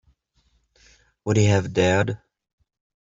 Would he have dared?